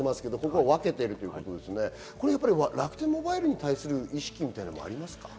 楽天モバイルに対する意識もありますか？